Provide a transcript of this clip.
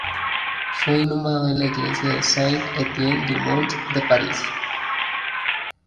Fue inhumado en la iglesia de Saint-Étienne-du-Mont de París.